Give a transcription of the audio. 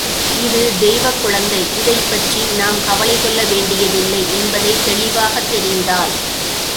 இது தெய்வக் குழந்தை இதைப்பற்றி நாம் கவலைகொள்ள வேண்டிய தில்லை என்பதைத் தெளிவாகத் தெரிந்தாள்.